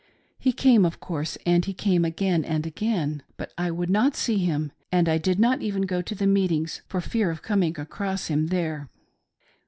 He came, of course, and he came again and again ; but I would not see him ; and I did not even go to the meetings for fear of coming across him there.